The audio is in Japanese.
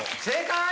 正解！